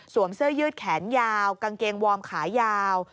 เสื้อยืดแขนยาวกางเกงวอร์มขายาว